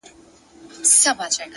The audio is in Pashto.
انسان د خپلو پټو انتخابونو نتیجه ده’